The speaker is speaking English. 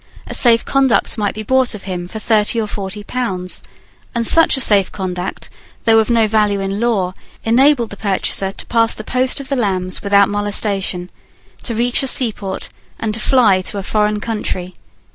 A safe conduct might be bought of him for thirty or forty pounds; and such a safe conduct, though of no value in law, enabled the purchaser to pass the post of the Lambs without molestation, to reach a seaport, and to fly to a foreign country.